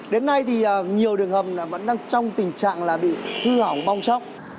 đến nay thì nhiều đường hầm vẫn đang trong tình trạng là bị hư hỏng bong chóc